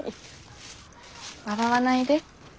笑わないで。